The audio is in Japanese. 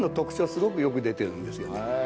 すごくよく出てるんですよ。